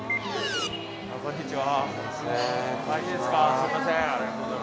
こんにちは。